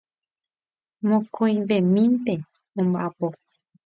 Mokõivemínte ombaʼapo.